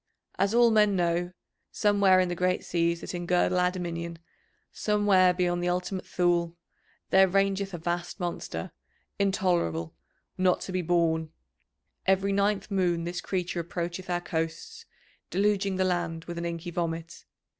As all men know, somewhere in the great seas that engirdle our dominion, somewhere beyond the Ultimate Thule, there rangeth a vast monster, intolerable, not to be borne. Every ninth moon this creature approacheth our coasts, deluging the land with an inky vomit.